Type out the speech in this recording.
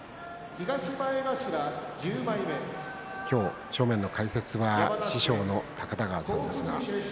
今日、正面の解説は師匠の高田川さんです。